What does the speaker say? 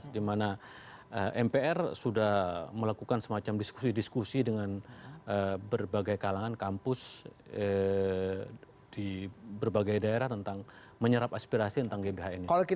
dimana mpr sudah melakukan semacam diskusi diskusi dengan berbagai kalangan kampus di berbagai daerah tentang menyerap aspirasi tentang gbhn ini